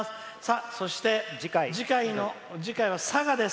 そして、次回は佐賀です。